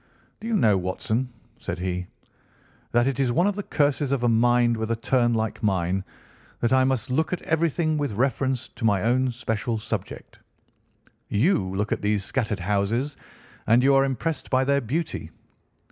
"Do you know, Watson," said he, "that it is one of the curses of a mind with a turn like mine that I must look at everything with reference to my own special subject. You look at these scattered houses, and you are impressed by their beauty.